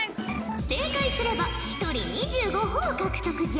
正解すれば一人２５ほぉ獲得じゃ。